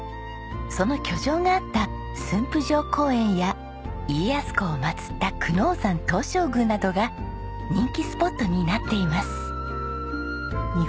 その居城があった駿府城公園や家康公を祭った久能山東照宮などが人気スポットになっています。